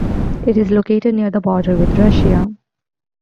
It is located near the border with Russia.